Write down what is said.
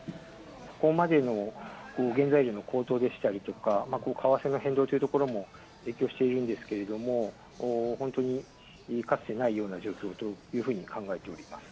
ここまでの原材料の高騰でしたりとか、為替の変動というところも影響しているんですけれども、本当にかつてないような状況というふうに考えております。